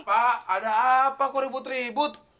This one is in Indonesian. pak ada apa kok ribut ribut